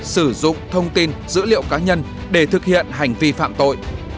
sử dụng thông tin dữ liệu cá nhân để thực hiện hành vi phạm tội